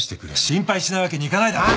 心配しないわけにいかないだろ。